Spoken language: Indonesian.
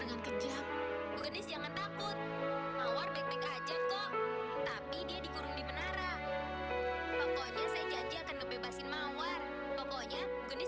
jadi ingat semua jerami jerami yang ada di sini harus kamu tambah menjadi benang emas